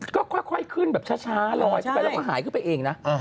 ก็ค่อยขึ้นแบบช้าลอยขึ้นไปแล้วก็หายขึ้นไปเองนะ